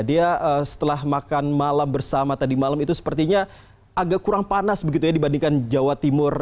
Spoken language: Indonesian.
dia setelah makan malam bersama tadi malam itu sepertinya agak kurang panas begitu ya dibandingkan jawa timur